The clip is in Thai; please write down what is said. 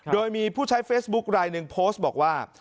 โดยมีผู้ใช้เฟซบุ๊คลายหนึ่งโพสต์บอกว่า